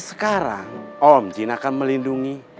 sekarang om jin akan melindungi